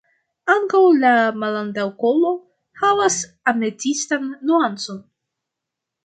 Ankaŭ la malantaŭkolo havas ametistan nuancon.